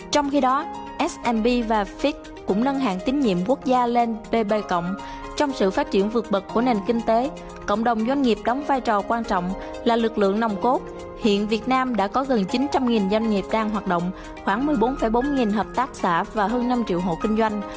trong khi đó smb và fix cũng nâng hạng tín nhiệm quốc gia lên pb trong sự phát triển vượt bật của nền kinh tế cộng đồng doanh nghiệp đóng vai trò quan trọng là lực lượng nồng cốt hiện việt nam đã có gần chín trăm linh doanh nghiệp đang hoạt động khoảng một mươi bốn bốn nghìn hợp tác xã và hơn năm triệu hộ kinh doanh